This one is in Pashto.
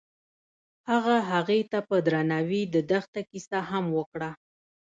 هغه هغې ته په درناوي د دښته کیسه هم وکړه.